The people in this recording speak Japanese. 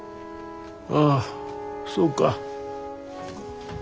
ああそうが。